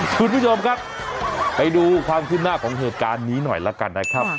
คุณผู้ชมครับไปดูความขึ้นหน้าของเหตุการณ์นี้หน่อยแล้วกันนะครับ